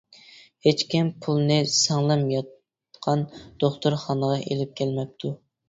ھېچكىم پۇلنى سىڭلىم ياتقان دوختۇرخانىغا ئېلىپ كەلمەپتۇ.